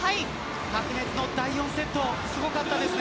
白熱の第４セットすごかったですね。